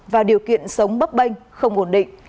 và điều kiện sống bấp bênh không ổn định